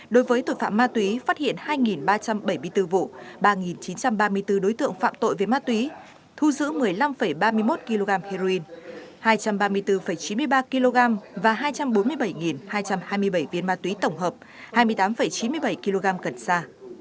đối với tội phạm ma túy phát hiện hai ba trăm bảy mươi bốn vụ ba chín trăm ba mươi bốn đối tượng phạm tội về ma túy thu giữ một mươi năm ba mươi một kg heroin hai trăm ba mươi bốn chín mươi ba kg và hai trăm bốn mươi bảy hai trăm hai mươi bảy viên ma túy tổng hợp hai mươi tám chín mươi bảy kg cần sa